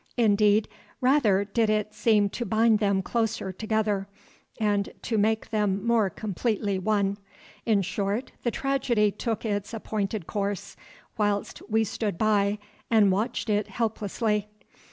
Indeed, rather did it seem to bind them closer together, and to make them more completely one. In short, the tragedy took its appointed course, whilst we stood by and watched it helplessly.